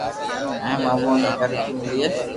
اي مون امون ني ترقي ملئي